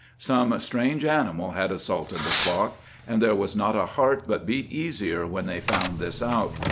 Some strange animal had assaulted the flock, and there was not a heart but beat easier when they found this out.